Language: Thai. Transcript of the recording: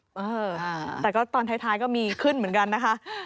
เออแต่ก็ตอนท้ายก็มีขึ้นเหมือนกันนะคะ